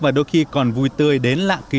và đôi khi còn vui tươi đến lạ kỳ